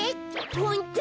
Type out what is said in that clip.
ホント？